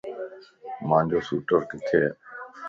مانجو سوٽر ڪٿي ا؟